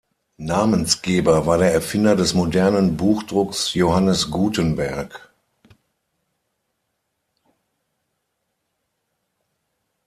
Namensgeber war der Erfinder des modernen Buchdrucks Johannes Gutenberg.